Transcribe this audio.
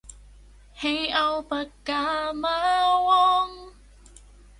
ให้เอาปากกามาวง